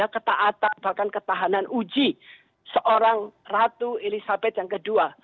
ketaatan bahkan ketahanan uji seorang ratu elizabeth yang kedua